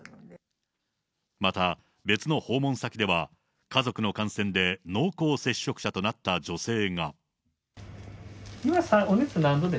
また、別の訪問先では、家族の感染で濃厚接触者となった女性が。